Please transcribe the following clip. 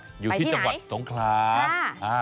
ไปที่ไหนไปที่จังหวัดสงคราค่ะ